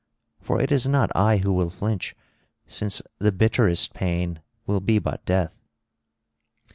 For it is not I who will flinch, since the bitterest pain will be but death."